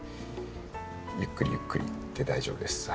ゆっくりゆっくりで大丈夫です。